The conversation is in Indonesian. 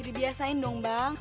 dibiasain dong bang